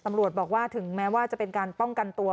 ตำรวจบอกว่าถึงแม้ว่าจะเป็นการป้องกันตัว